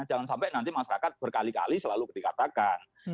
jangan sampai nanti masyarakat berkali kali selalu dikatakan